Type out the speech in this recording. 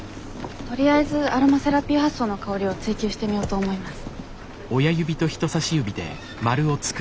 とりあえずアロマセラピー発想の香りを追求してみようと思います。